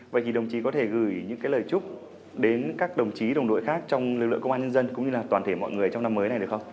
vậy thì đồng chí có thể gửi những lời chúc đến các đồng chí đồng đội khác trong lực lượng công an nhân dân cũng như là toàn thể mọi người trong năm mới này được không